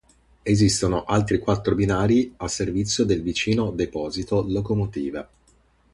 Esistono altri quattro binari a servizio del vicino deposito locomotive.